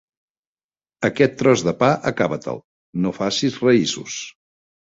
Aquest tros de pa, acaba-te'l: no facis raïssos.